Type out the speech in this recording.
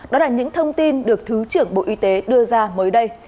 đó là những thông tin được thứ trưởng bộ y tế đưa ra mới đây